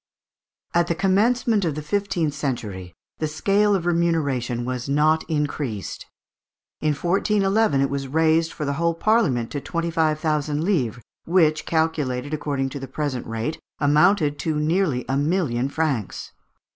At the commencement of the fifteenth century, the scale of remuneration was not increased. In 1411 it was raised for the whole Parliament to twenty five thousand livres, which, calculated according to the present rate, amounted to nearly a million francs.